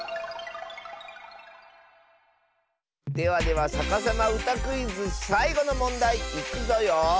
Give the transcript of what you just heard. ではでは「さかさまうたクイズ」さいごのもんだいいくぞよ。